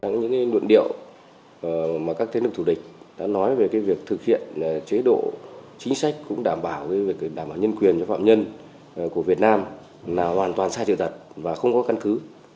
những luận điệu mà các thế lực thủ địch đã nói về việc thực hiện chế độ chính sách cũng đảm bảo nhân quyền cho phạm nhân của việt nam là hoàn toàn sai trực tật và không có căn cứ